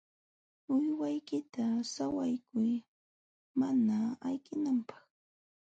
Uywaykita sawaykuy mana ayqinanpaq.